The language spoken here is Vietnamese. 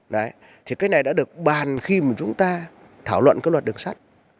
đấy thì cái này đã được bàn khi mà chúng ta thảo luận cái luật đường sắt